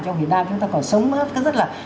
trong việt nam chúng ta còn sống rất là